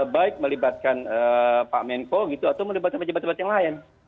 baik melibatkan pak menko gitu atau melibatkan pejabat pejabat yang lain